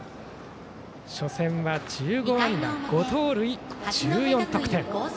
初戦は、１５安打５盗塁１４得点。